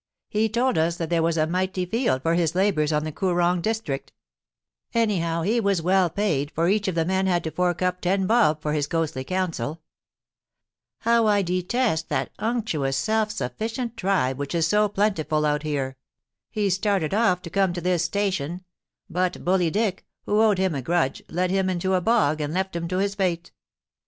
He told us that there was a mighty field *' Talks a great deal.' ' YOU'LL GET THE CROOKED STICK AT LAST: 173 for his labours on the Koorong district Anyhow, he was well paid, for each of the men had to fork up ten bob for his ghostly counsel How I detest that unctuous self suffi cient tribe which is so plentiful out here ! He started off to come to this station; but Bully Dick, who owed him a grudge, led him into a bog, and left him to his fate.